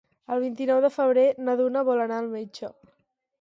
El vint-i-nou de febrer na Duna vol anar al metge.